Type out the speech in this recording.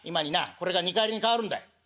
これが二荷入りに変わるんだ」。